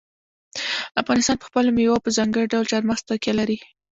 افغانستان په خپلو مېوو او په ځانګړي ډول چار مغز تکیه لري.